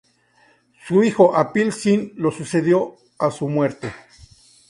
Su hijo, Apil-Sin le sucedió a su muerte.